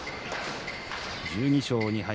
１２勝２敗